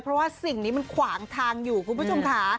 เพราะว่าสิ่งนี้มันขวางทางอยู่คุณผู้ชมค่ะ